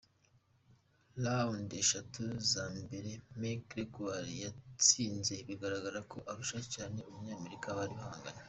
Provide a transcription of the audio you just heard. Round eshatu za mbere, MacGregor yazitsinze bigaragara ko arusha cyane umunyamerika bari bahanganye.